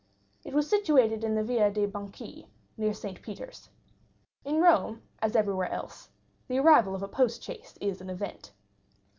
It was situated in the Via dei Banchi, near St. Peter's. In Rome, as everywhere else, the arrival of a post chaise is an event.